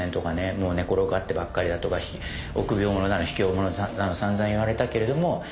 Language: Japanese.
もう寝転がってばっかりだとか臆病者だのひきょう者さんざんさんざん言われたけれどもですね。